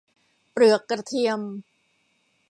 เปลือกกระเทียม